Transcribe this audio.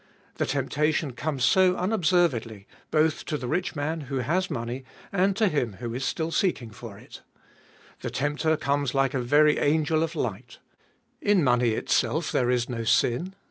The temptation comes so unobservedly, both to the rich man who has money, and to him who is still seeking for it The tempter comes like a very angel of light In money itself there is no sin.